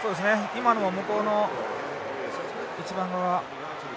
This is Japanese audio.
今の向こうの１番側。